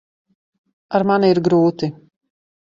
Ar mani ir grūti.